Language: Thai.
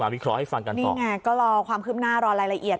นี่ไงก็รอความคืบหน้ารอรายละเอียด